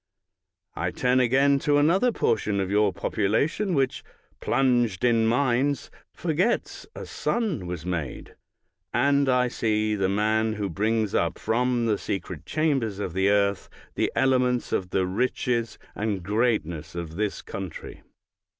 I turn again to another portion of your popula tion, which, "plunged in mines, forgets a sun was made," and I see the man who brings up from the secret chambers of the earth the ele ments of the riches and greatness of this coun try.